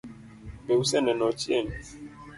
Be use neno Ochieng?